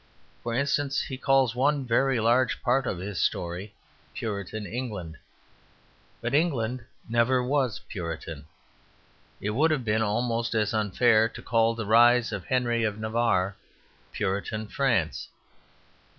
For instance, he calls one very large part of his story "Puritan England." But England never was Puritan. It would have been almost as unfair to call the rise of Henry of Navarre "Puritan France."